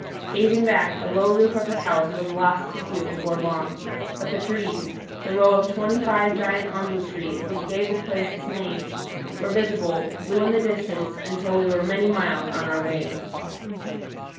Gazing back, the low roof of the house was lost to view before long, but the trees the row of twenty five giant ombu trees which gave the place its name were visible, blue in the distance, until we were many miles on our way.